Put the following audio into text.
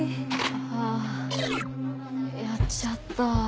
あぁやっちゃった。